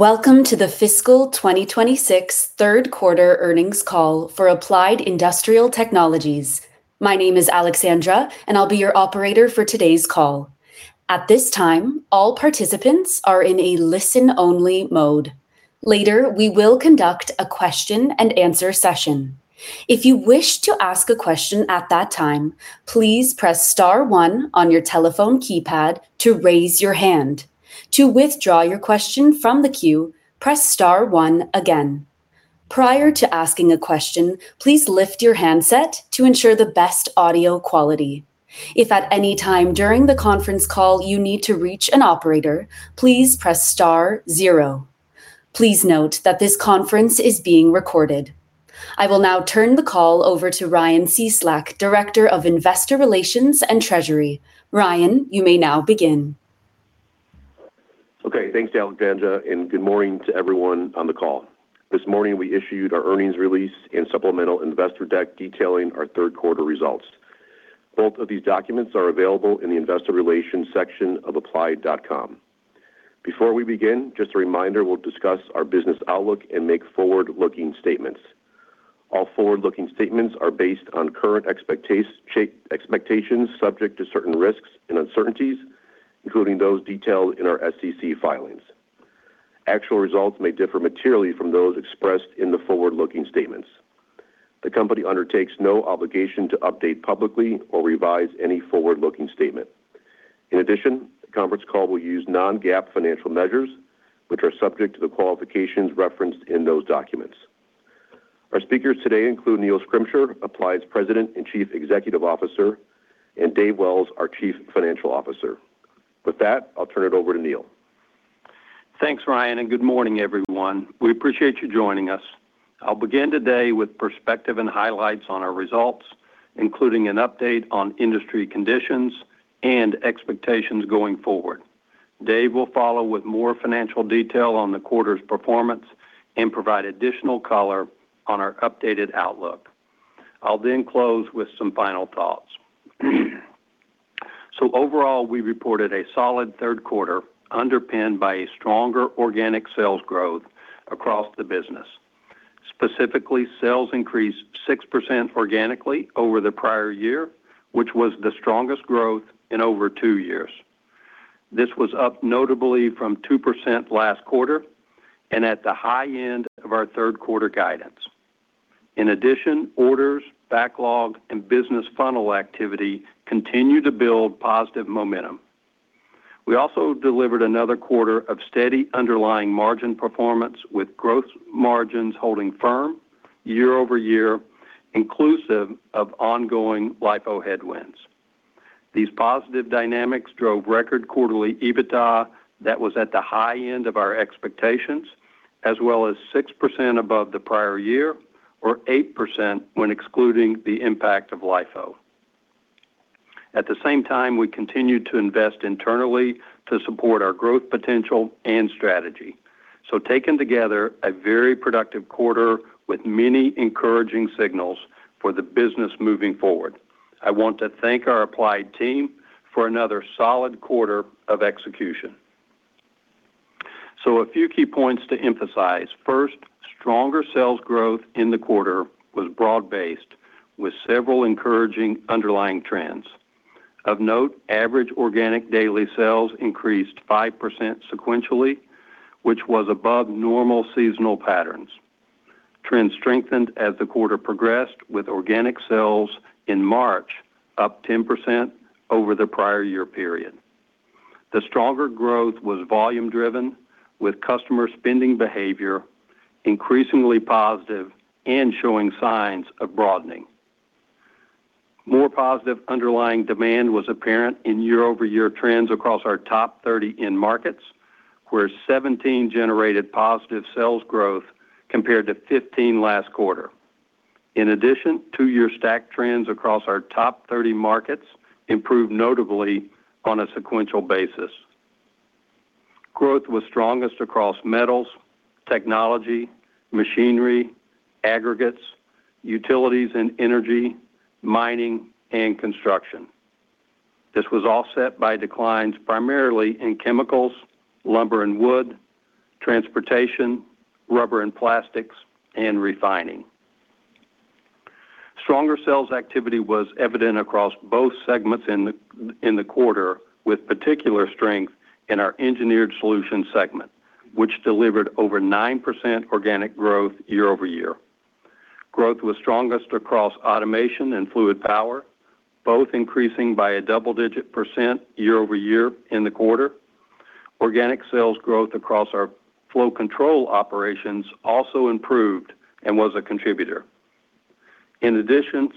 Welcome to the fiscal 2026 third quarter earnings call for Applied Industrial Technologies. My name is Alexandra, and I'll be your operator for today's call. At this time, all participants are in a listen-only mode. Later, we will conduct a question-and-answer session. If you wish to ask a question at that time, please press star one on your telephone keypad to raise your hand. To withdraw your question from the queue, press star one again. Prior to asking a question, please lift your handset to ensure the best audio quality. If at any time during the conference call you need to reach an operator, please press star zero. Please note that this conference is being recorded. I will now turn the call over to Ryan Cieslak, Director of Investor Relations and Treasury. Ryan, you may now begin. Thanks, Alexandra, good morning to everyone on the call. This morning, we issued our earnings release and supplemental investor deck detailing our third quarter results. Both of these documents are available in the investor relations section of applied.com. Before we begin, just a reminder, we'll discuss our business outlook and make forward-looking statements. All forward-looking statements are based on current expectations subject to certain risks and uncertainties, including those detailed in our SEC filings. Actual results may differ materially from those expressed in the forward-looking statements. The company undertakes no obligation to update publicly or revise any forward-looking statement. The conference call will use non-GAAP financial measures, which are subject to the qualifications referenced in those documents. Our speakers today include Neil Schrimsher, Applied's President and Chief Executive Officer, and Dave Wells, our Chief Financial Officer. I'll turn it over to Neil. Thanks, Ryan, and good morning, everyone. We appreciate you joining us. I'll begin today with perspective and highlights on our results, including an update on industry conditions and expectations going forward. Dave will follow with more financial detail on the quarter's performance and provide additional color on our updated outlook. I'll then close with some final thoughts. Overall, we reported a solid third quarter underpinned by a stronger organic sales growth across the business. Specifically, sales increased 6% organically over the prior year, which was the strongest growth in over two years. This was up notably from 2% last quarter and at the high end of our third quarter guidance. In addition, orders, backlog, and business funnel activity continue to build positive momentum. We also delivered another quarter of steady underlying margin performance with growth margins holding firm year-over-year, inclusive of ongoing LIFO headwinds. These positive dynamics drove record quarterly EBITDA that was at the high end of our expectations as well as 6% above the prior year or 8% when excluding the impact of LIFO. At the same time, we continued to invest internally to support our growth potential and strategy. Taken together, a very productive quarter with many encouraging signals for the business moving forward. I want to thank our Applied team for another solid quarter of execution. A few key points to emphasize. First, stronger sales growth in the quarter was broad-based with several encouraging underlying trends. Of note, average organic daily sales increased 5% sequentially, which was above normal seasonal patterns. Trends strengthened as the quarter progressed with organic sales in March up 10% over the prior year period. The stronger growth was volume-driven with customer spending behavior increasingly positive and showing signs of broadening. More positive underlying demand was apparent in year-over-year trends across our top 30 end markets, where 17 generated positive sales growth compared to 15 last quarter. In addition, two year stack trends across our top 30 markets improved notably on a sequential basis. Growth was strongest across metals, technology, machinery, aggregates, utilities and energy, mining, and construction. This was offset by declines primarily in chemicals, lumber and wood, transportation, rubber and plastics, and refining. Stronger sales activity was evident across both segments in the quarter with particular strength in our Engineered Solutions segment, which delivered over 9% organic growth year-over-year. Growth was strongest across automation and fluid power, both increasing by a double-digit percent year-over-year in the quarter. Organic sales growth across our flow control operations also improved and was a contributor.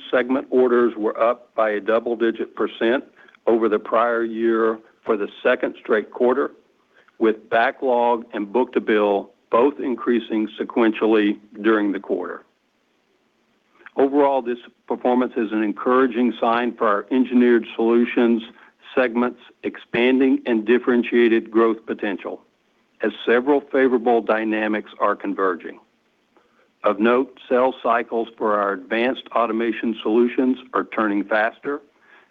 Segment orders were up by a double-digit percent over the prior year for the second straight quarter, with backlog and book-to-bill both increasing sequentially during the quarter. Overall, this performance is an encouraging sign for our Engineered Solutions segment's expanding and differentiated growth potential as several favorable dynamics are converging. Of note, sales cycles for our advanced automation solutions are turning faster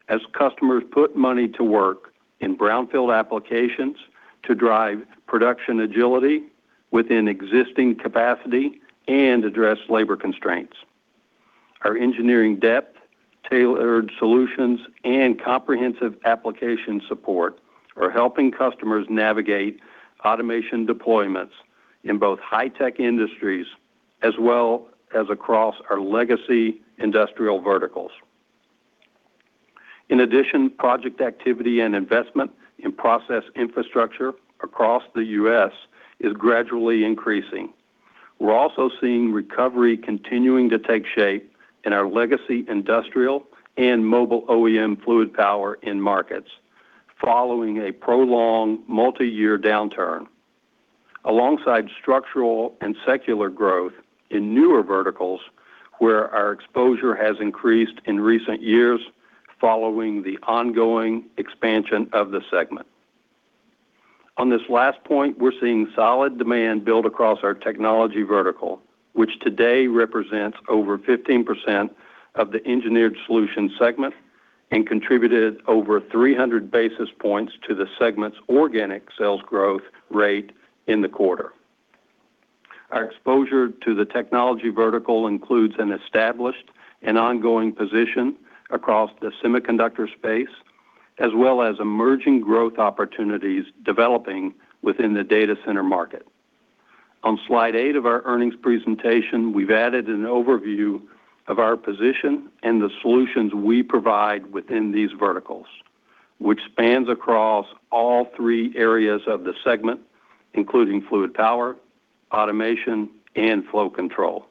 as customers put money to work in brownfield applications to drive production agility within existing capacity and address labor constraints. Our engineering depth, tailored solutions, and comprehensive application support are helping customers navigate automation deployments in both high-tech industries as well as across our legacy industrial verticals. Project activity and investment in process infrastructure across the U.S. is gradually increasing. We're also seeing recovery continuing to take shape in our legacy industrial and mobile OEM fluid power end markets following a prolonged multi-year downturn. Alongside structural and secular growth in newer verticals where our exposure has increased in recent years following the ongoing expansion of the segment. On this last point, we're seeing solid demand build across our technology vertical, which today represents over 15% of the Engineered Solutions segment and contributed over 300 basis points to the segment's organic sales growth rate in the quarter. Our exposure to the technology vertical includes an established and ongoing position across the semiconductor space, as well as emerging growth opportunities developing within the data center market. On slide eight of our earnings presentation, we've added an overview of our position and the solutions we provide within these verticals, which spans across all three areas of the segment, including fluid power, automation, and flow control.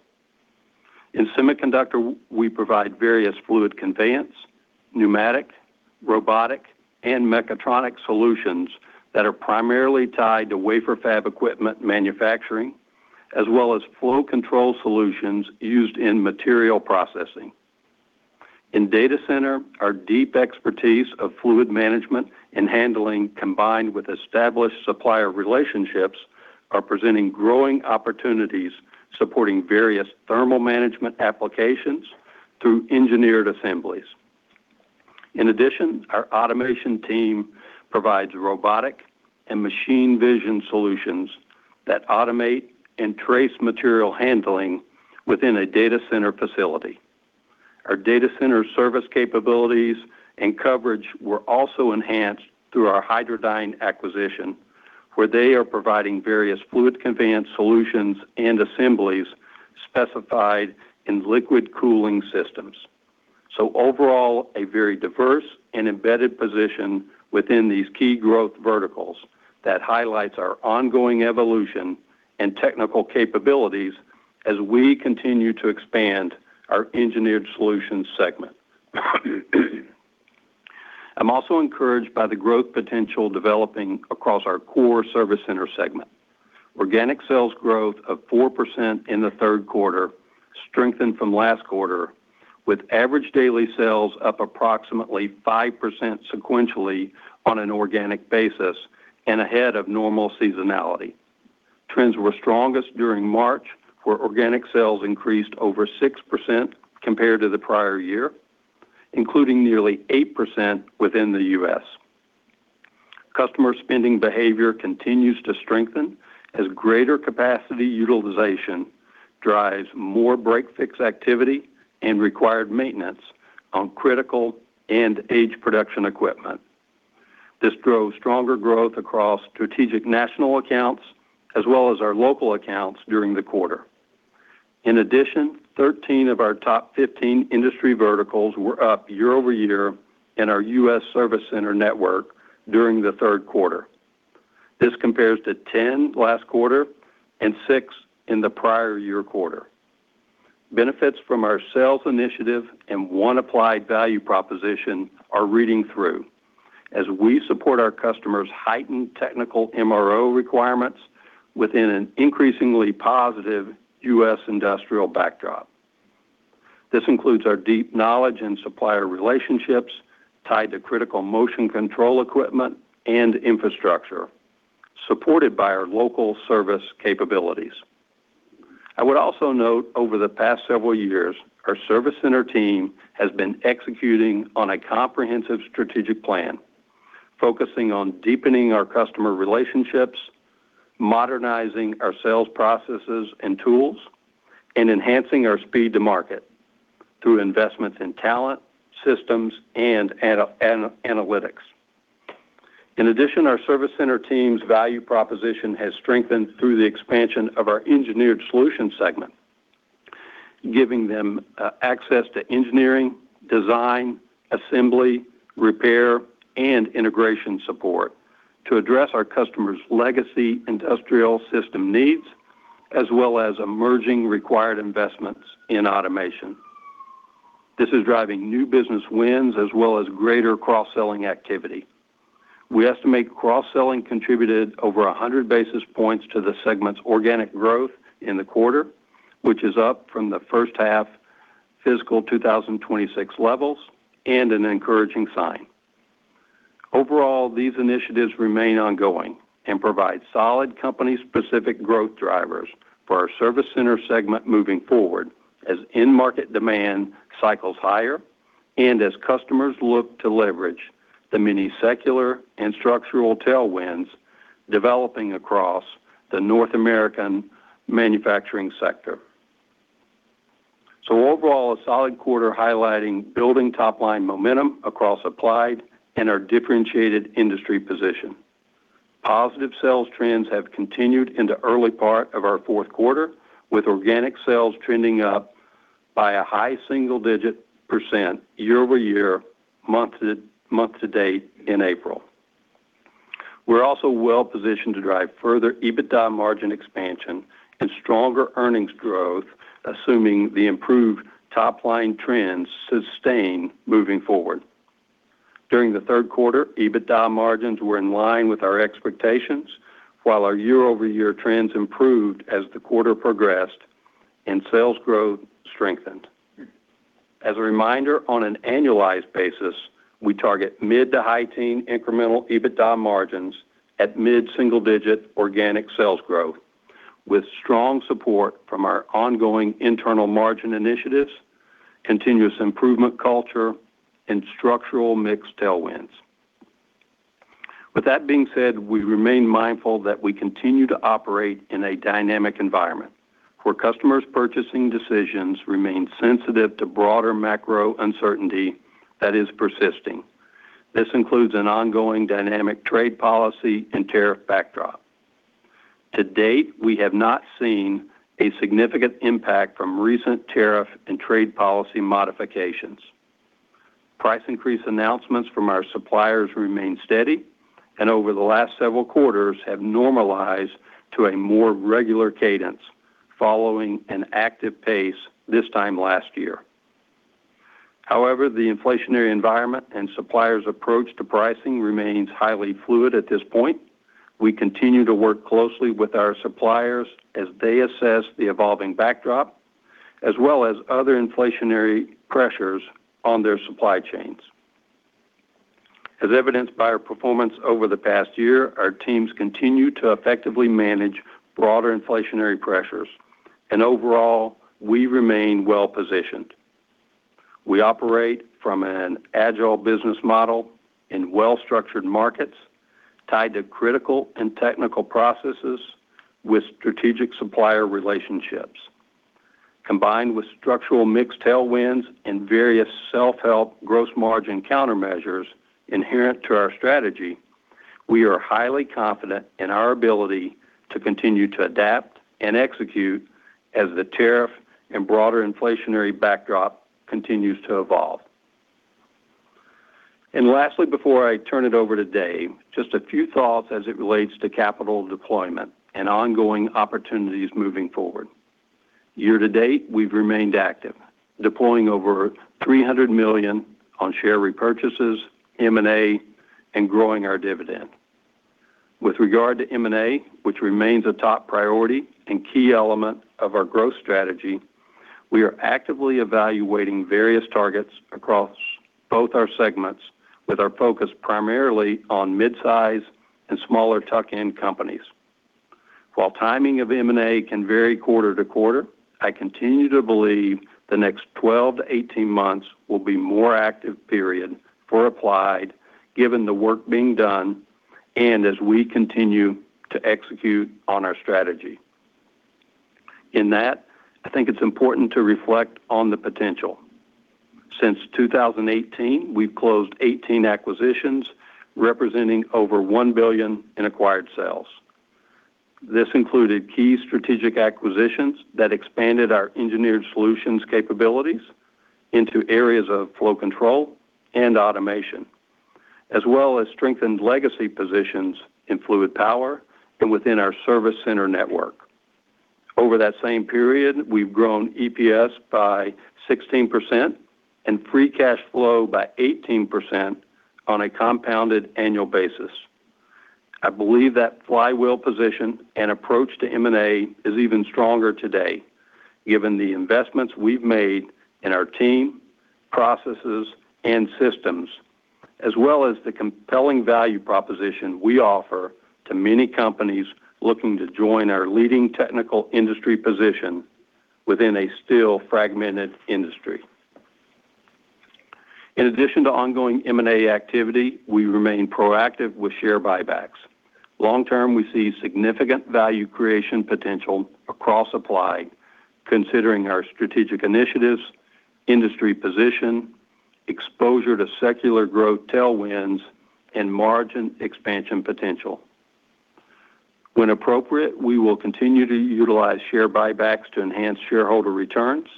In semiconductor, we provide various fluid conveyance, pneumatic, robotic, and mechatronic solutions that are primarily tied to wafer fab equipment manufacturing, as well as flow control solutions used in material processing. In data center, our deep expertise of fluid management and handling combined with established supplier relationships are presenting growing opportunities supporting various thermal management applications through engineered assemblies. In addition, our automation team provides robotic and machine vision solutions that automate and trace material handling within a data center facility. Our data center service capabilities and coverage were also enhanced through our Hydradyne acquisition, where they are providing various fluid conveyance solutions and assemblies specified in liquid cooling systems. Overall, a very diverse and embedded position within these key growth verticals that highlights our ongoing evolution and technical capabilities as we continue to expand our Engineered Solutions segment. I'm also encouraged by the growth potential developing across our core Service Center segment. Organic sales growth of 4% in the third quarter strengthened from last quarter, with average daily sales up approximately 5% sequentially on an organic basis and ahead of normal seasonality. Trends were strongest during March, where organic sales increased over 6% compared to the prior year, including nearly 8% within the U.S. Customer spending behavior continues to strengthen as greater capacity utilization drives more break-fix activity and required maintenance on critical and aged production equipment. This drove stronger growth across strategic national accounts as well as our local accounts during the quarter. In addition, 13 of our top 15 industry verticals were up year-over-year in our U.S. service center network during the third quarter. This compares to 10 last quarter and six in the prior year quarter. Benefits from our sales initiative and One Applied value proposition are reading through as we support our customers' heightened technical MRO requirements within an increasingly positive U.S. industrial backdrop. This includes our deep knowledge and supplier relationships tied to critical motion control equipment and infrastructure supported by our local service capabilities. I would also note over the past several years, our service center team has been executing on a comprehensive strategic plan, focusing on deepening our customer relationships, modernizing our sales processes and tools, and enhancing our speed to market through investments in talent, systems, and analytics. In addition, our Service Center team's value proposition has strengthened through the expansion of our Engineered Solutions segment, giving them access to engineering, design, assembly, repair, and integration support to address our customers' legacy industrial system needs as well as emerging required investments in automation. This is driving new business wins as well as greater cross-selling activity. We estimate cross-selling contributed over 100 basis points to the segment's organic growth in the quarter, which is up from the first half fiscal 2026 levels and an encouraging sign. Overall, these initiatives remain ongoing and provide solid company-specific growth drivers for our Service Center segment moving forward as end market demand cycles higher and as customers look to leverage the many secular and structural tailwinds developing across the North American manufacturing sector. Overall, a solid quarter highlighting building top-line momentum across Applied and our differentiated industry position. Positive sales trends have continued in the early part of our fourth quarter, with organic sales trending up by a high single-digit percent year-over-year month-to-date in April. We're also well-positioned to drive further EBITDA margin expansion and stronger earnings growth, assuming the improved top-line trends sustain moving forward. During the third quarter, EBITDA margins were in line with our expectations, while our year-over-year trends improved as the quarter progressed and sales growth strengthened. As a reminder, on an annualized basis, we target mid-to-high teen incremental EBITDA margins at mid single-digit organic sales growth, with strong support from our ongoing internal margin initiatives, continuous improvement culture, and structural mix tailwinds. With that being said, we remain mindful that we continue to operate in a dynamic environment where customers' purchasing decisions remain sensitive to broader macro uncertainty that is persisting. This includes an ongoing dynamic trade policy and tariff backdrop. To date, we have not seen a significant impact from recent tariff and trade policy modifications. Price increase announcements from our suppliers remain steady, and over the last several quarters have normalized to a more regular cadence following an active pace this time last year. However, the inflationary environment and suppliers' approach to pricing remains highly fluid at this point. We continue to work closely with our suppliers as they assess the evolving backdrop, as well as other inflationary pressures on their supply chains. As evidenced by our performance over the past year, our teams continue to effectively manage broader inflationary pressures. Overall, we remain well-positioned. We operate from an agile business model in well-structured markets tied to critical and technical processes with strategic supplier relationships. Combined with structural mix tailwinds and various self-help gross margin countermeasures inherent to our strategy, we are highly confident in our ability to continue to adapt and execute as the tariff and broader inflationary backdrop continues to evolve. Lastly, before I turn it over to Dave, just a few thoughts as it relates to capital deployment and ongoing opportunities moving forward. Year to date, we've remained active, deploying over $300 million on share repurchases, M&A, and growing our dividend. With regard to M&A, which remains a top priority and key element of our growth strategy, we are actively evaluating various targets across both our segments with our focus primarily on mid-size and smaller tuck-in companies. While timing of M&A can vary quarter to quarter, I continue to believe the next 12-18 months will be more active period for Applied given the work being done and as we continue to execute on our strategy. I think it's important to reflect on the potential. Since 2018, we've closed 18 acquisitions representing over $1 billion in acquired sales. This included key strategic acquisitions that expanded our Engineered Solutions capabilities into areas of flow control and automation, as well as strengthened legacy positions in fluid power and within our service center network. Over that same period, we've grown EPS by 16% and free cash flow by 18% on a compounded annual basis. I believe that flywheel position and approach to M&A is even stronger today given the investments we've made in our team, processes, and systems, as well as the compelling value proposition we offer to many companies looking to join our leading technical industry position within a still fragmented industry. In addition to ongoing M&A activity, we remain proactive with share buybacks. Long term, we see significant value creation potential across Applied considering our strategic initiatives, industry position, exposure to secular growth tailwinds, and margin expansion potential. When appropriate, we will continue to utilize share buybacks to enhance shareholder returns.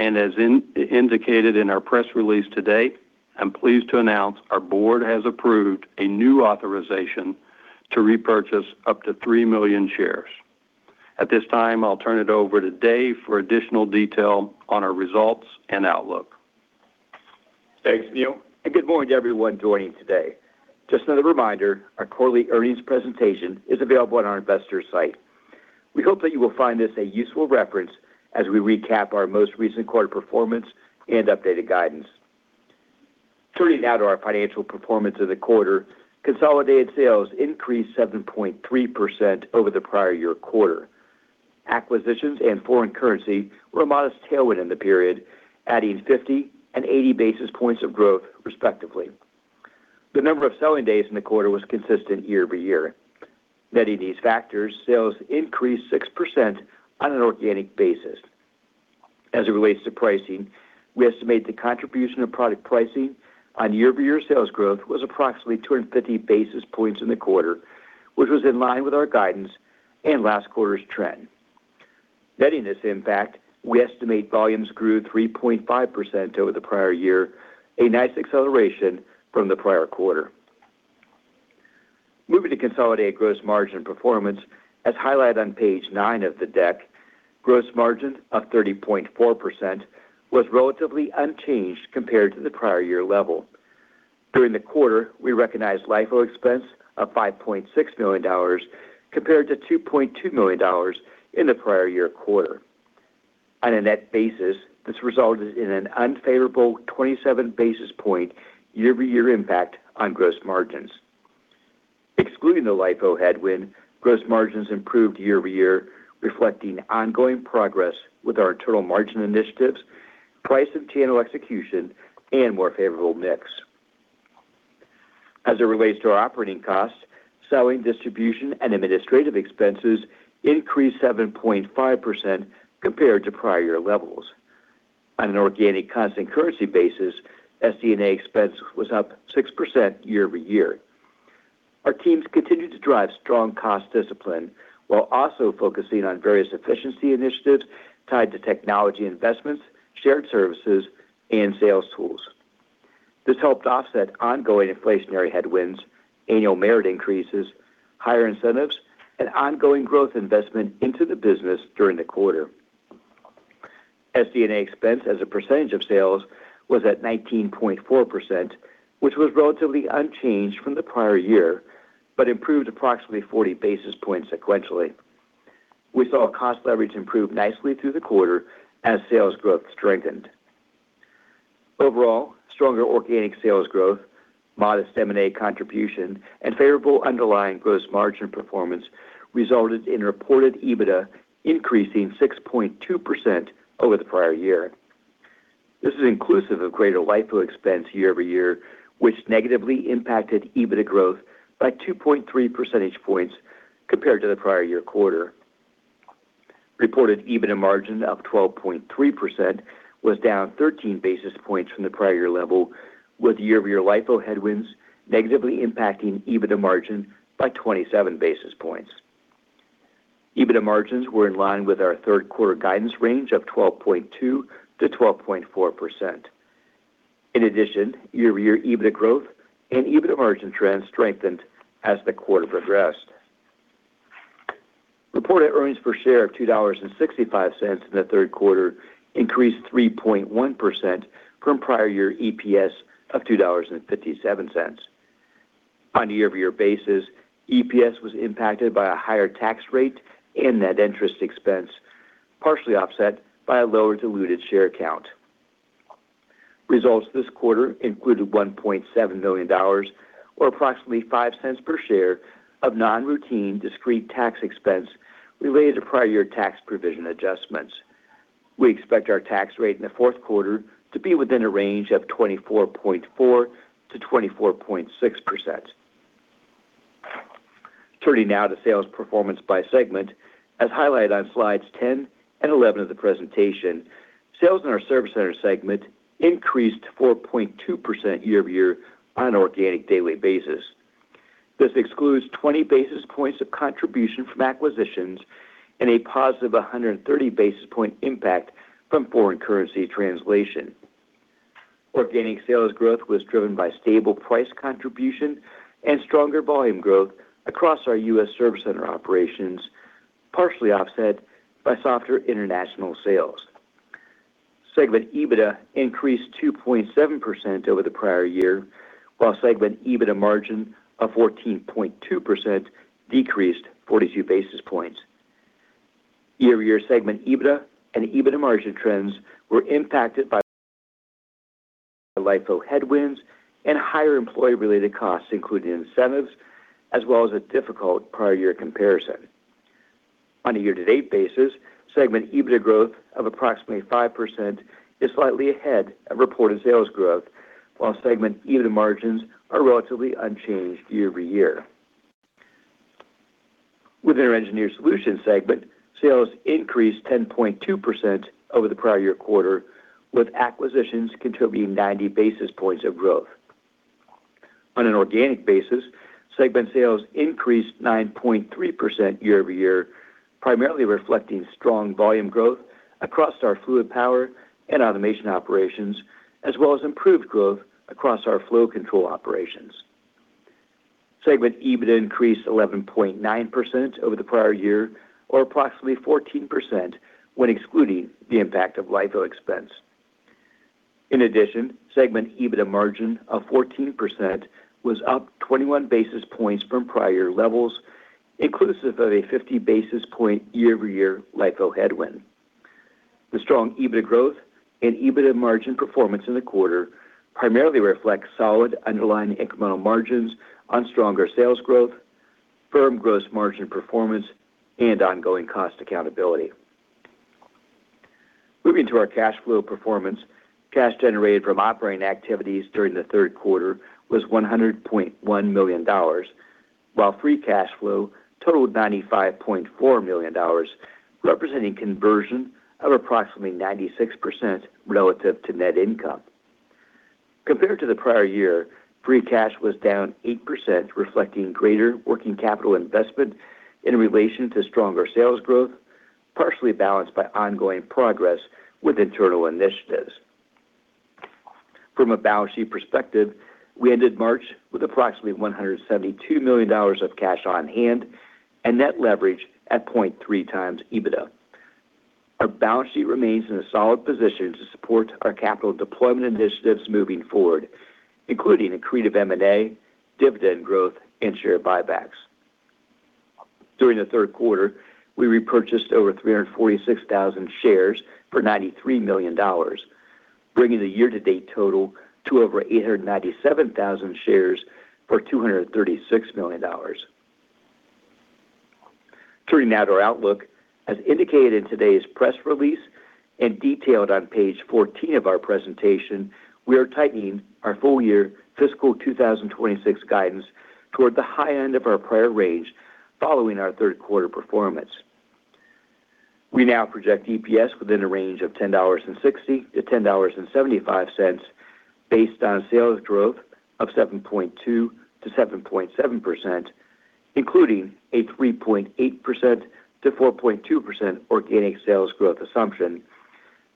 As indicated in our press release today, I'm pleased to announce our board has approved a new authorization to repurchase up to three million shares. At this time, I'll turn it over to Dave for additional detail on our results and outlook. Thanks, Neil. Good morning to everyone joining today. Just another reminder, our quarterly earnings presentation is available on our investor site. We hope that you will find this a useful reference as we recap our most recent quarter performance and updated guidance. Turning now to our financial performance of the quarter, consolidated sales increased 7.3% over the prior year quarter. Acquisitions and foreign currency were a modest tailwind in the period, adding 50 and 80 basis points of growth respectively. The number of selling days in the quarter was consistent year-over-year. Netting these factors, sales increased 6% on an organic basis. As it relates to pricing, we estimate the contribution of product pricing on year-over-year sales growth was approximately 250 basis points in the quarter, which was in line with our guidance and last quarter's trend. Netting this impact, we estimate volumes grew 3.5% over the prior year, a nice acceleration from the prior quarter. Moving to consolidated gross margin performance, as highlighted on page nine of the deck, gross margin of 30.4% was relatively unchanged compared to the prior year level. During the quarter, we recognized LIFO expense of $5.6 million compared to $2.2 million in the prior year quarter. On a net basis, this resulted in an unfavorable 27 basis point year-over-year impact on gross margins. Excluding the LIFO headwind, gross margins improved year-over-year, reflecting ongoing progress with our internal margin initiatives, price and channel execution, and more favorable mix. As it relates to our operating costs, selling, distribution, and administrative expenses increased 7.5% compared to prior year levels. On an organic constant currency basis, SD&A expense was up 6% year-over-year. Our teams continued to drive strong cost discipline while also focusing on various efficiency initiatives tied to technology investments, shared services, and sales tools. This helped offset ongoing inflationary headwinds, annual merit increases, higher incentives, and ongoing growth investment into the business during the quarter. SD&A expense as a percentage of sales was at 19.4%, which was relatively unchanged from the prior year, but improved approximately 40 basis points sequentially. We saw cost leverage improve nicely through the quarter as sales growth strengthened. Overall, stronger organic sales growth, modest M&A contribution, and favorable underlying gross margin performance resulted in reported EBITDA increasing 6.2% over the prior year. This is inclusive of greater LIFO expense year-over-year, which negatively impacted EBITDA growth by 2.3% points compared to the prior-year quarter. Reported EBITDA margin of 12.3% was down 13 basis points from the prior-year level, with year-over-year LIFO headwinds negatively impacting EBITDA margin by 27 basis points. EBITDA margins were in line with our third quarter guidance range of 12.2%-12.4%. In addition, year-over-year EBITDA growth and EBITDA margin trends strengthened as the quarter progressed. Reported earnings per share of $2.65 in the third quarter increased 3.1% from prior-year EPS of $2.57. On a year-over-year basis, EPS was impacted by a higher tax rate and net interest expense, partially offset by a lower diluted share count. Results this quarter included $1.7 million or approximately $0.05 per share of non-routine discrete tax expense related to prior year tax provision adjustments. We expect our tax rate in the fourth quarter to be within a range of 24.4%-24.6%. Turning now to sales performance by segment. As highlighted on slides 10 and 11 of the presentation, sales in our Service Center segment increased 4.2% year-over-year on an organic daily basis. This excludes 20 basis points of contribution from acquisitions and a positive 130 basis point impact from foreign currency translation. Organic sales growth was driven by stable price contribution and stronger volume growth across our U.S. Service Center operations, partially offset by softer international sales. Segment EBITDA increased 2.7% over the prior year, while segment EBITDA margin of 14.2% decreased 42 basis points. Year-over-year segment EBITDA and EBITDA margin trends were impacted by LIFO headwinds and higher employee related costs, including incentives as well as a difficult prior year comparison. On a year-to-date basis, segment EBITDA growth of approximately 5% is slightly ahead of reported sales growth, while segment EBITDA margins are relatively unchanged year-over-year. Within our Engineered Solutions segment, sales increased 10.2% over the prior year quarter, with acquisitions contributing 90 basis points of growth. On an organic basis, segment sales increased 9.3% year-over-year, primarily reflecting strong volume growth across our fluid power and automation operations, as well as improved growth across our flow control operations. Segment EBITDA increased 11.9% over the prior year, or approximately 14% when excluding the impact of LIFO expense. In addition, segment EBITDA margin of 14% was up 21 basis points from prior levels, inclusive of a 50 basis point year-over-year LIFO headwind. The strong EBITDA growth and EBITDA margin performance in the quarter primarily reflects solid underlying incremental margins on stronger sales growth, firm gross margin performance, and ongoing cost accountability. Moving to our cash flow performance. Cash generated from operating activities during the third quarter was $100.1 million, while free cash flow totaled $95.4 million, representing conversion of approximately 96% relative to net income. Compared to the prior year, free cash was down 8%, reflecting greater working capital investment in relation to stronger sales growth, partially balanced by ongoing progress with internal initiatives. From a balance sheet perspective, we ended March with approximately $172 million of cash on hand and net leverage at 0.3x EBITDA. Our balance sheet remains in a solid position to support our capital deployment initiatives moving forward, including accretive M&A, dividend growth, and share buybacks. During the third quarter, we repurchased over 346,000 shares for $93 million, bringing the year-to-date total to over 897,000 shares for $236 million. Turning now to our outlook. As indicated in today's press release and detailed on page 14 of our presentation, we are tightening our full year fiscal 2026 guidance toward the high end of our prior range following our third quarter performance. We now project EPS within a range of $10.60-$10.75 based on sales growth of 7.2%-7.7%, including a 3.8%-4.2% organic sales growth assumption,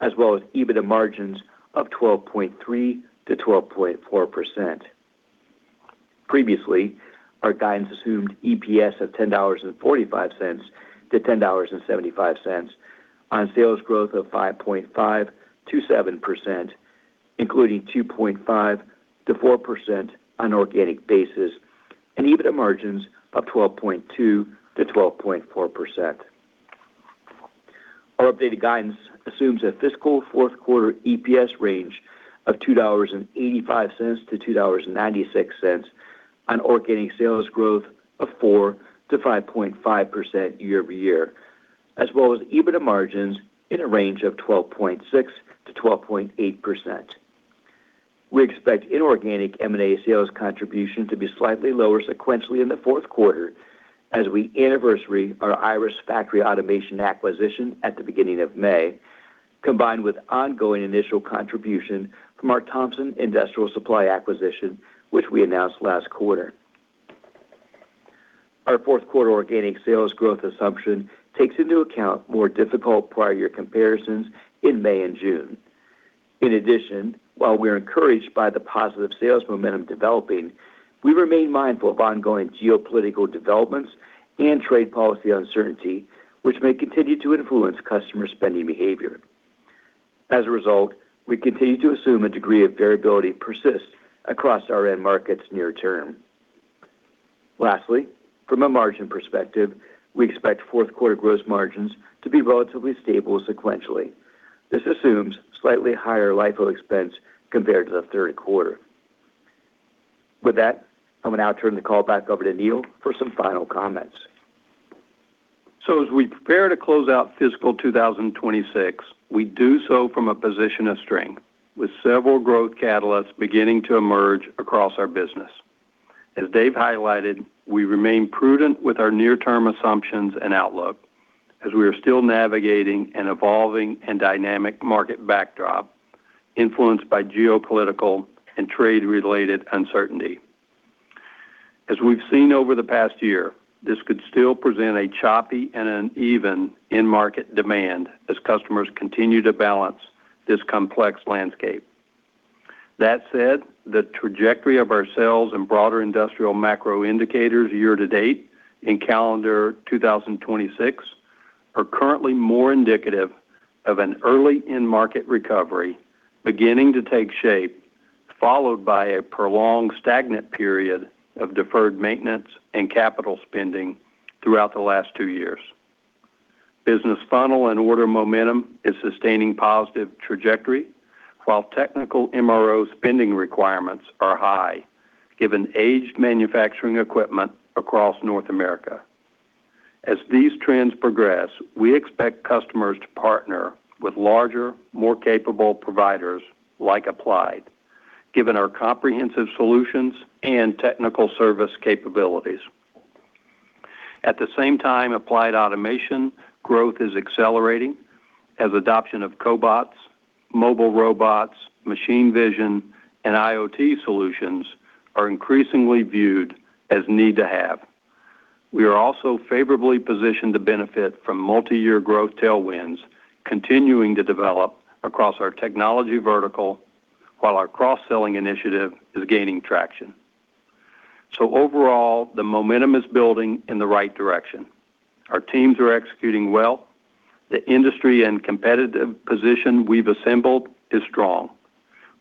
as well as EBITDA margins of 12.3%-12.4%. Previously, our guidance assumed EPS of $10.45-$10.75 on sales growth of 5.5%-7%, including 2.5%-4% on organic basis and EBITDA margins of 12.2%-12.4%. Our updated guidance assumes a fiscal fourth quarter EPS range of $2.85-$2.96 on organic sales growth of 4%-5.5% year-over-year, as well as EBITDA margins in a range of 12.6%-12.8%. We expect inorganic M&A sales contribution to be slightly lower sequentially in the fourth quarter as we anniversary our IRIS Factory Automation acquisition at the beginning of May, combined with ongoing initial contribution from our Thompson Industrial Supply acquisition, which we announced last quarter. Our fourth quarter organic sales growth assumption takes into account more difficult prior year comparisons in May and June. In addition, while we're encouraged by the positive sales momentum developing, we remain mindful of ongoing geopolitical developments and trade policy uncertainty, which may continue to influence customer spending behavior. As a result, we continue to assume a degree of variability persists across our end markets near term. Lastly, from a margin perspective, we expect fourth quarter gross margins to be relatively stable sequentially. This assumes slightly higher LIFO expense compared to the third quarter. With that, I will now turn the call back over to Neil for some final comments. As we prepare to close out fiscal 2026, we do so from a position of strength with several growth catalysts beginning to emerge across our business. As Dave highlighted, we remain prudent with our near-term assumptions and outlook as we are still navigating an evolving and dynamic market backdrop influenced by geopolitical and trade-related uncertainty. As we've seen over the past year, this could still present a choppy and an even end market demand as customers continue to balance this complex landscape. That said, the trajectory of our sales and broader industrial macro indicators year to date in calendar 2026 are currently more indicative of an early end market recovery beginning to take shape, followed by a prolonged stagnant period of deferred maintenance and capital spending throughout the last two years. Business funnel and order momentum is sustaining positive trajectory, while technical MRO spending requirements are high given aged manufacturing equipment across North America. As these trends progress, we expect customers to partner with larger, more capable providers like Applied, given our comprehensive solutions and technical service capabilities. At the same time, Applied Automation growth is accelerating as adoption of cobots, mobile robots, machine vision, and IoT solutions are increasingly viewed as need to have. We are also favorably positioned to benefit from multi-year growth tailwinds continuing to develop across our technology vertical while our cross-selling initiative is gaining traction. Overall, the momentum is building in the right direction. Our teams are executing well. The industry and competitive position we've assembled is strong.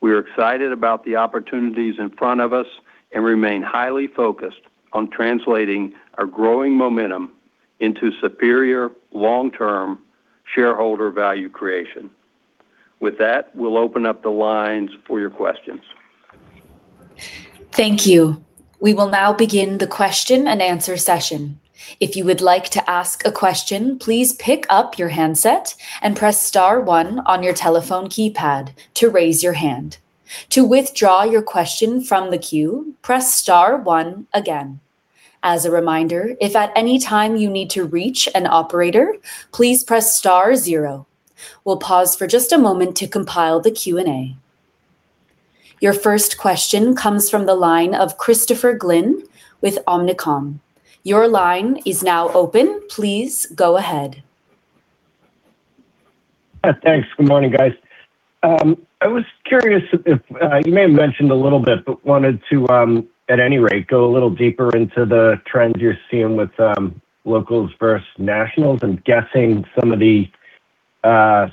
We are excited about the opportunities in front of us and remain highly focused on translating our growing momentum into superior long-term shareholder value creation. With that, we'll open up the lines for your questions. Thank you. We will now begin the question and answer session. If you would like to ask a question, please pick up your handset and press star one on your telephone keypad to raise your hand. To withdraw your question from the queue, press star one again. As a reminder, if at any time you need to reach an operator, please press star zero. We'll pause for just a moment to compile the Q&A. Your first question comes from the line of Christopher Glynn with Oppenheimer. Your line is now open. Please go ahead. Thanks. Good morning, guys. I was curious if you may have mentioned a little bit, but wanted to, at any rate, go a little deeper into the trends you're seeing with locals versus nationals. I'm guessing some of the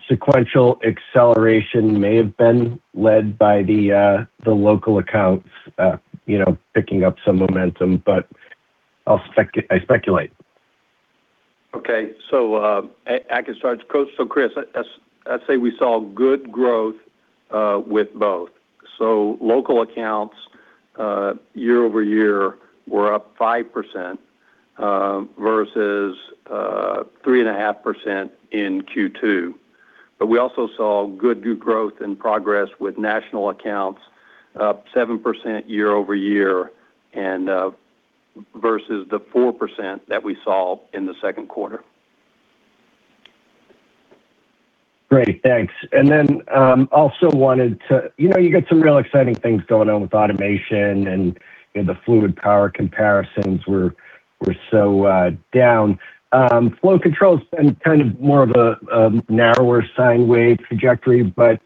sequential acceleration may have been led by the local accounts, you know, picking up some momentum, but I speculate. Okay. I can start. Chris, I'd say we saw good growth with both. Local accounts year-over-year were up 5% versus 3.5% in Q2. We also saw good growth and progress with national accounts up 7% year-over-year versus the 4% that we saw in the second quarter. Great. Thanks. You know, you got some real exciting things going on with automation, and, you know, the fluid power comparisons were so down. Flow control has been kind of more of a narrower sine wave trajectory, but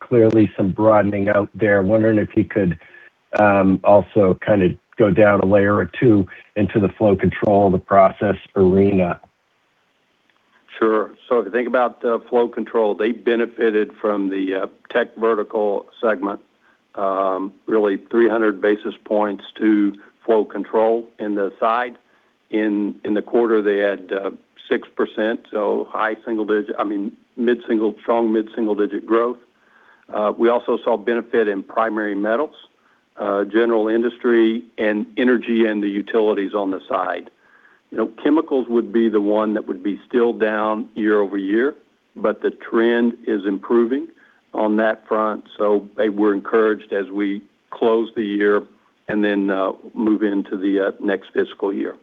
clearly some broadening out there. Wondering if you could also kind of go down a layer or two into the flow control, the process arena. Sure. If you think about flow control, they benefited from the tech vertical segment, really 300 basis points to flow control in the side. In the quarter, they had 6%, I mean mid-single, strong mid-single digit growth. We also saw benefit in primary metals, general industry and energy and the utilities on the side. You know, chemicals would be the one that would be still down year-over-year, the trend is improving on that front. They were encouraged as we close the year and then move into the next fiscal year.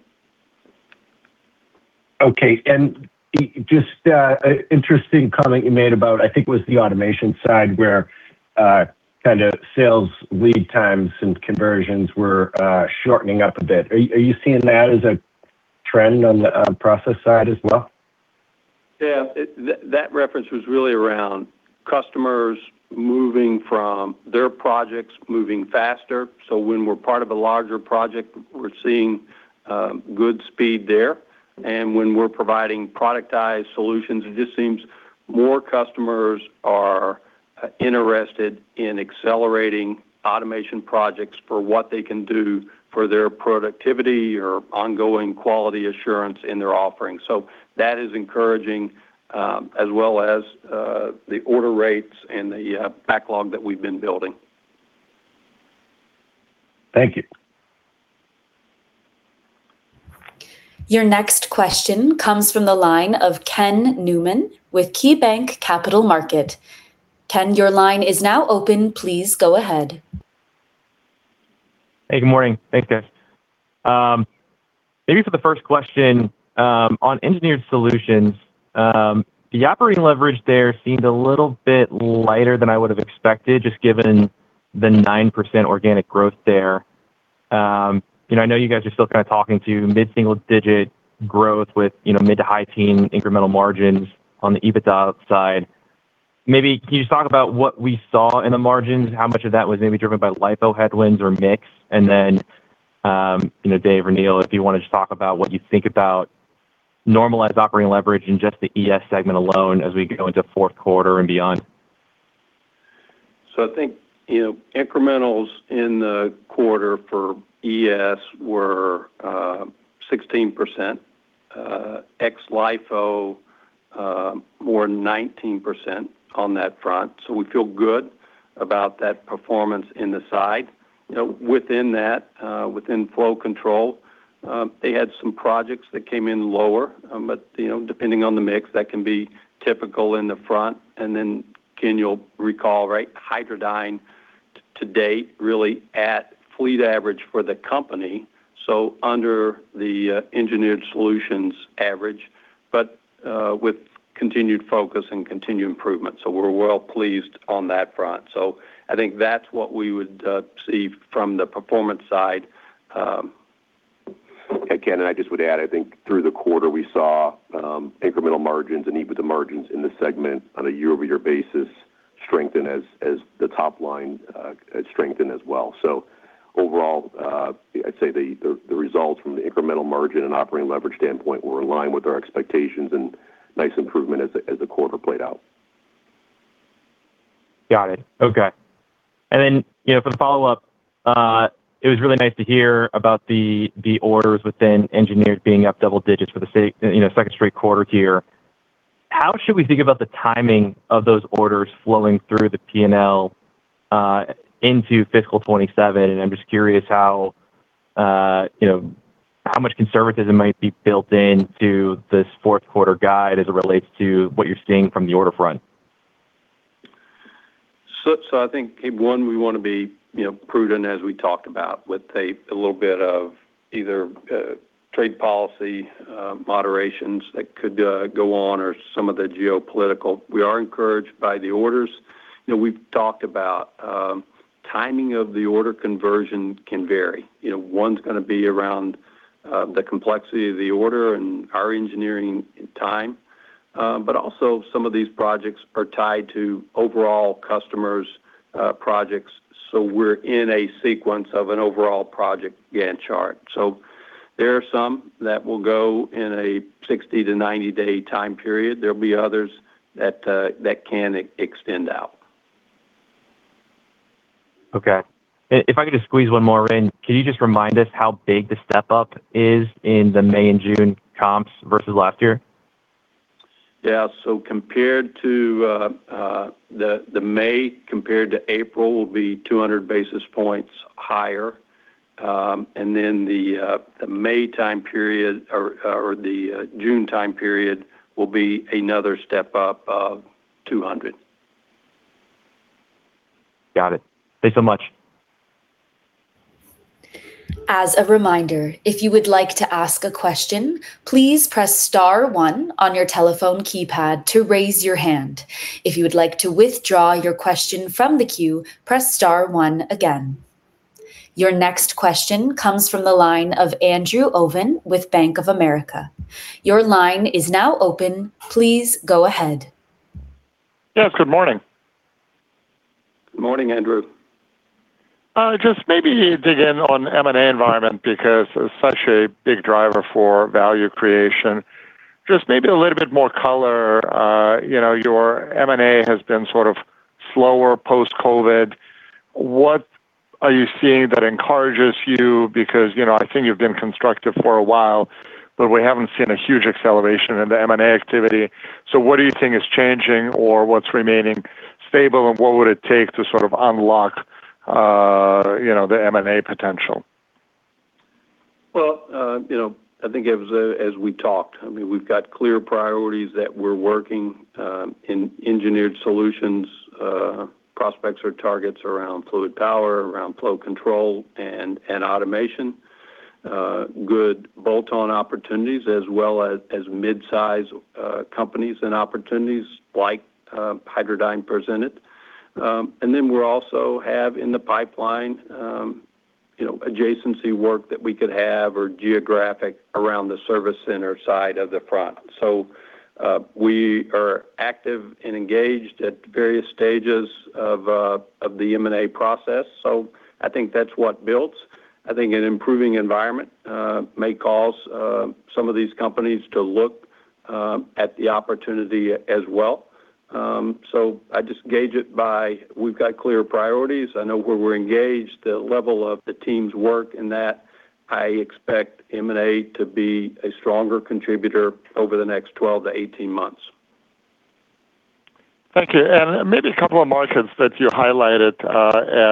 Okay. Just a interesting comment you made about, I think, was the automation side where kind of sales lead times and conversions were shortening up a bit. Are you seeing that as a trend on the process side as well? Yeah. That reference was really around customers moving from their projects moving faster. When we're part of a larger project, we're seeing good speed there. When we're providing productized solutions, it just seems more customers are interested in accelerating automation projects for what they can do for their productivity or ongoing quality assurance in their offerings. That is encouraging, as well as the order rates and the backlog that we've been building. Thank you. Your next question comes from the line of Ken Newman with KeyBanc Capital Markets. Ken, your line is now open. Please go ahead. Hey, good morning. Thanks, guys. Maybe for the first question, on Engineered Solutions, the operating leverage there seemed a little bit lighter than I would have expected, just given the 9% organic growth there. You know, I know you guys are still kind of talking to mid-single-digit growth with, you know, mid-to-high teen incremental margins on the EBITDA side. Maybe can you just talk about what we saw in the margins? How much of that was maybe driven by LIFO headwinds or mix? You know, Dave or Neil, if you want to just talk about what you think about normalized operating leverage in just the ES segment alone as we go into fourth quarter and beyond. I think, you know, incrementals in the quarter for ES were 16% ex LIFO, or 19% on that front. We feel good about that performance in the side. You know, within that, within flow control, they had some projects that came in lower. Depending on the mix, that can be typical in the front. Ken, you'll recall, right, Hydradyne to date really at fleet average for the company, so under the Engineered Solutions average, but with continued focus and continued improvement. We're well pleased on that front. I think that's what we would see from the performance side. Again, and I just would add, I think through the quarter, we saw incremental margins and even the margins in the segment on a year-over-year basis strengthen as the top line strengthened as well. Overall, I'd say the results from the incremental margin and operating leverage standpoint were in line with our expectations and nice improvement as the quarter played out. Got it. Okay. You know, for the follow-up, it was really nice to hear about the orders within Engineered Solutions being up double digits for the second straight quarter here. How should we think about the timing of those orders flowing through the P&L into fiscal 2027? I'm just curious how, you know, how much conservatism might be built into this fourth quarter guide as it relates to what you're seeing from the order front. I think, one, we wanna be, you know, prudent as we talked about with a little bit of either trade policy moderations that could go on or some of the geopolitical. We are encouraged by the orders. You know, we've talked about, timing of the order conversion can vary. You know, one's gonna be around, the complexity of the order and our engineering time. But also some of these projects are tied to overall customers' projects, so we're in a sequence of an overall project Gantt chart. There are some that will go in a 60-90 day time period. There'll be others that can extend out. Okay. If I could just squeeze one more in. Can you just remind us how big the step-up is in the May and June comps versus last year? Compared to the May compared to April will be 200 basis points higher. The May time period or the June time period will be another step-up of 200. Got it. Thanks so much. Your next question comes from the line of Andrew Obin with Bank of America. Yeah, good morning. Morning, Andrew. Just maybe dig in on M&A environment because it's such a big driver for value creation. Just maybe a little bit more color. You know, your M&A has been sort of slower post-COVID. What are you seeing that encourages you? You know, I think you've been constructive for a while, but we haven't seen a huge acceleration in the M&A activity. What do you think is changing or what's remaining stable, and what would it take to sort of unlock, you know, the M&A potential? Well, you know, I think as we talked, I mean, we've got clear priorities that we're working in Engineered Solutions, prospects or targets around fluid power, around flow control and automation. Good bolt-on opportunities as well as mid-size companies and opportunities like Hydradyne presented. Then we also have in the pipeline, you know, adjacency work that we could have or geographic around the service center side of the front. We are active and engaged at various stages of the M&A process, so I think that's what builds. I think an improving environment may cause some of these companies to look at the opportunity as well. I just gauge it by we've got clear priorities. I know where we're engaged, the level of the team's work in that I expect M&A to be a stronger contributor over the next 12 to 18 months. Thank you. Maybe a couple of markets that you highlighted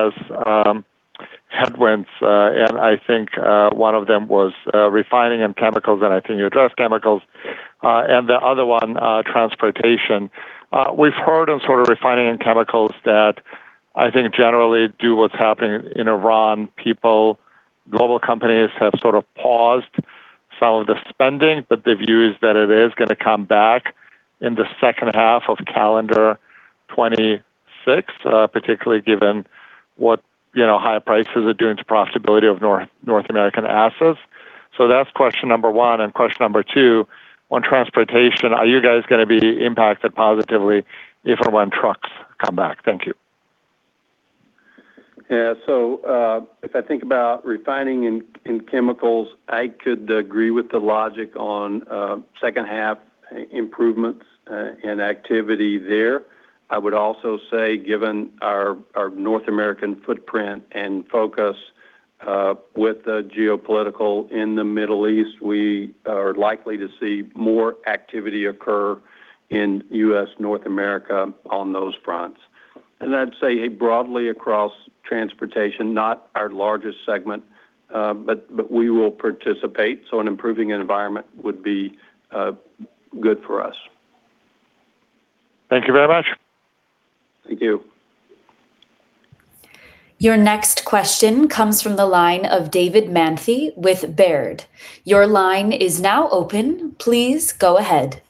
as headwinds. I think one of them was refining and chemicals. I think you addressed chemicals. Yeah. The other one, transportation. We've heard on sort of refining and chemicals that I think generally due to what's happening in Iran, people, global companies have sort of paused some of the spending, but the view is that it is gonna come back in the second half of calendar 2026, particularly given what, you know, high prices are doing to profitability of North American assets. That's question number one. Question number two, on transportation, are you guys gonna be impacted positively if and when trucks come back? Thank you. If I think about refining in chemicals, I could agree with the logic on second half improvements and activity there. I would also say, given our North American footprint and focus, with the geopolitical in the Middle East, we are likely to see more activity occur in U.S., North America on those fronts. I'd say broadly across transportation, not our largest segment, but we will participate, so an improving environment would be good for us. Thank you very much. Thank you. Your next question comes from the line of David Manthey with Baird. Your line is now open. Please go ahead.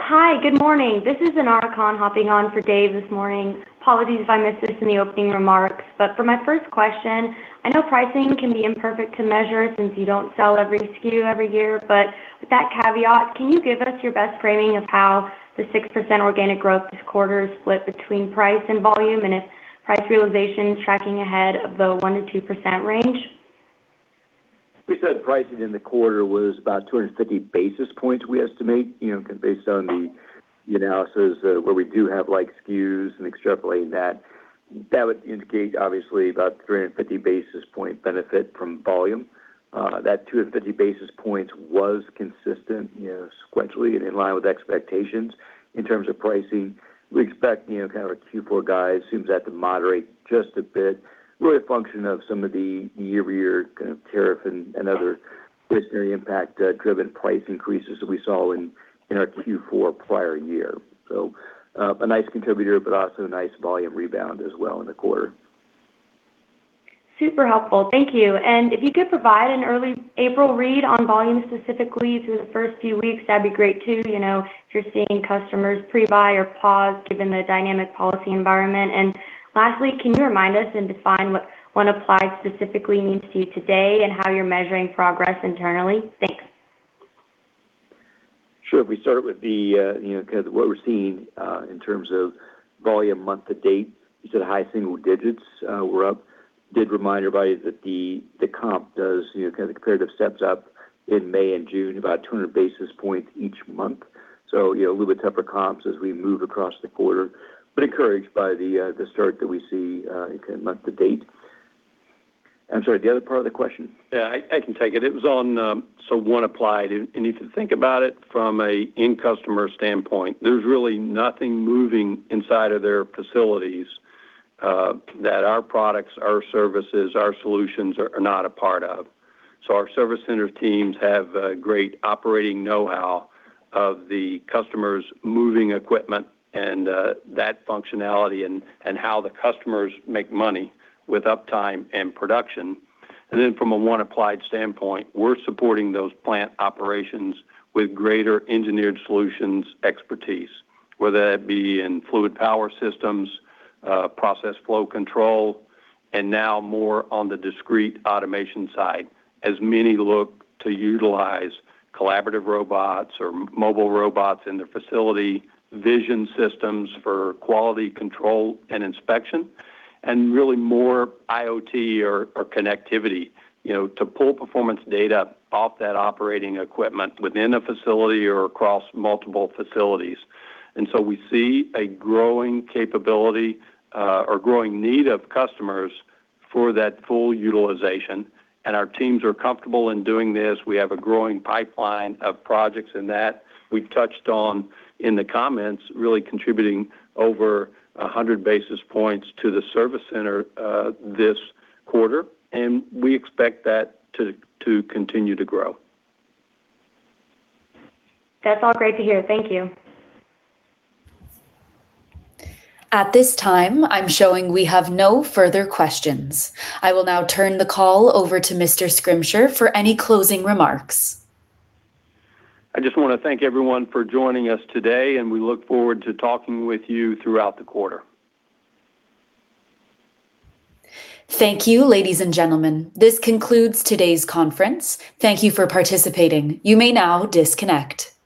Hi, good morning. This is Inara Khan hopping on for David this morning. Apologies if I missed this in the opening remarks. For my first question, I know pricing can be imperfect to measure since you don't sell every SKU every year. With that caveat, can you give us your best framing of how the 6% organic growth this quarter split between price and volume, and if price realization is tracking ahead of the 1%-2% range? We said pricing in the quarter was about 250 basis points, we estimate, you know, based on the analysis where we do have like SKUs and extrapolating that. That would indicate obviously about 350 basis point benefit from volume. That 250 basis points was consistent, you know, sequentially and in line with expectations. In terms of pricing, we expect, you know, kind of a Q4 guide seems to have to moderate just a bit. Really a function of some of the year-over-year kind of tariff and other inflationary impact driven price increases that we saw in our Q4 prior year. A nice contributor, but also a nice volume rebound as well in the quarter. Super helpful. Thank you. If you could provide an early April read on volume specifically through the first few weeks, that'd be great too, you know, if you're seeing customers pre-buy or pause given the dynamic policy environment. Lastly, can you remind us and define what One Applied specifically means to you today and how you're measuring progress internally? Thanks. Sure. If we start with the, you know, kind of what we're seeing, in terms of volume month to date, you said high single digits, we're up. I did remind everybody that the comp does, you know, kind of comparative steps up in May and June, about 200 basis points each month. You know, a little bit tougher comps as we move across the quarter. Encouraged by the start that we see, kind of month to date. I'm sorry, the other part of the question? Yeah, I can take it. It was on One Applied. If you think about it from a end customer standpoint, there's really nothing moving inside of their facilities that our products, our services, our solutions are not a part of. Our service center teams have a great operating know-how of the customers moving equipment and that functionality and how the customers make money with uptime and production. From a One Applied standpoint, we're supporting those plant operations with greater Engineered Solutions expertise, whether that be in fluid power systems, process flow control, and now more on the discrete automation side as many look to utilize collaborative robots or mobile robots in their facility, vision systems for quality control and inspection, and really more IoT or connectivity, you know, to pull performance data off that operating equipment within a facility or across multiple facilities. We see a growing capability or growing need of customers for that full utilization, and our teams are comfortable in doing this. We have a growing pipeline of projects in that we've touched on in the comments, really contributing over 100 basis points to the service center this quarter, and we expect that to continue to grow. That's all great to hear. Thank you. At this time, I'm showing we have no further questions. I will now turn the call over to Mr. Schrimsher for any closing remarks. I just want to thank everyone for joining us today, and we look forward to talking with you throughout the quarter. Thank you, ladies and gentlemen. This concludes today's conference. Thank you for participating. You may now disconnect.